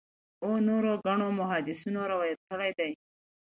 او نورو ګڼو محدِّثينو روايت کړی دی